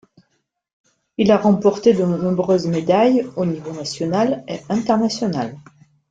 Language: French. Il a remporté de nombreuses médailles au niveau national et international.